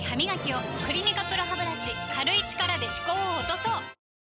「クリニカＰＲＯハブラシ」軽い力で歯垢を落とそう！